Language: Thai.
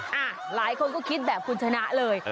หลายคนก็คิดแบบคุณชนะเลย